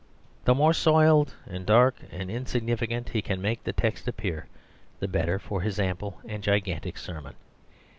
The more soiled and dark and insignificant he can make the text appear, the better for his ample and gigantic sermon.